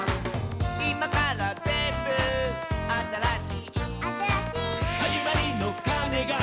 「いまからぜんぶあたらしい」「あたらしい」「はじまりのかねが」